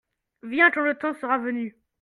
viens quand le temps sera venu.